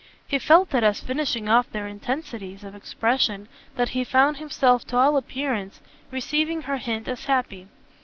He felt it as finishing off their intensities of expression that he found himself to all appearance receiving her hint as happy.